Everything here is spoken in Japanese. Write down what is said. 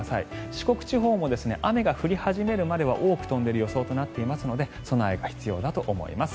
四国地方も雨が降り始まるまでは多く飛んでる予想となりますので備えが必要だと思います。